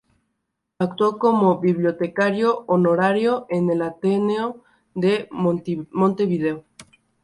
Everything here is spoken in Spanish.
Actuó como Bibliotecario Honorario en el Ateneo de Montevideo.